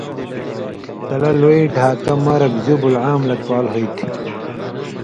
تلہ لُوئ، ڈھاکہ، مرگ، ژُبُل عام لَک بال ہُوئ تھی۔